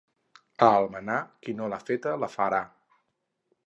A Almenar, qui no l'ha feta la farà.